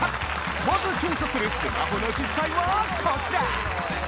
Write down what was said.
まず調査するスマホの実態はこちら！